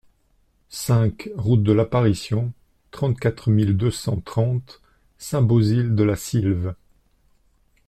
cinq route de l'Apparition, trente-quatre mille deux cent trente Saint-Bauzille-de-la-Sylve